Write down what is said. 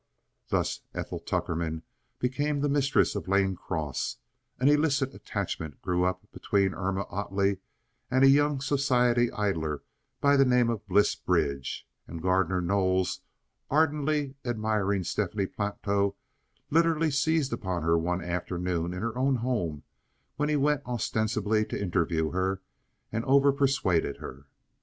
Thus Ethel Tuckerman became the mistress of Lane Cross; an illicit attachment grew up between Irma Ottley and a young society idler by the name of Bliss Bridge; and Gardner Knowles, ardently admiring Stephanie Platow literally seized upon her one afternoon in her own home, when he went ostensibly to interview her, and overpersuaded her.